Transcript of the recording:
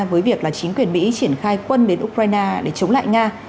với việc là chính quyền mỹ triển khai quân đến ukraine để chống lại nga